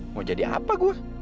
mau jadi apa gue